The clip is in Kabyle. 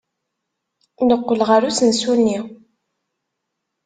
Neqqel ɣer usensu-nni.